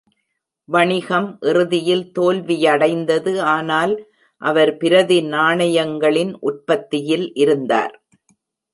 வணிகம் இறுதியில் தோல்வியடைந்தது, ஆனால் அவர் பிரதி நாணயங்களின் உற்பத்தியில் இருந்தார்.